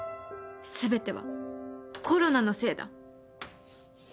全てはコロナのせいだ